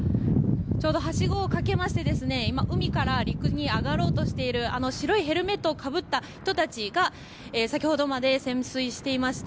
ちょうどはしごをかけまして今、海から陸に上がろうとしているあの白いヘルメットをかぶった人たちが先ほどまで潜水していました